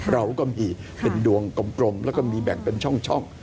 เราก็มีเป็นดวงกลมแล้วก็มีแบ่งเป็นช่อง